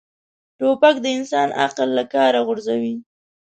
توپک د انسان عقل له کاره غورځوي.